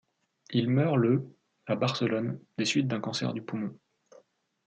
Il meurt le à Barcelone, des suites d'un cancer du poumon.